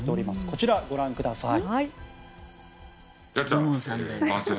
こちら、ご覧ください。